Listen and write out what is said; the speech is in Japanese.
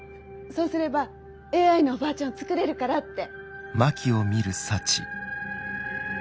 そうすればＡＩのおばあちゃんを創れるからって。